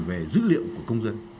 về dữ liệu của công dân